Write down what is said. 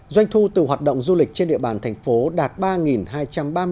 doanh thu từ hoạt động du lịch trên địa bàn tp hcm